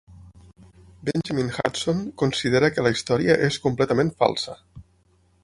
Benjamin Hudson considera que la història és "completament falsa".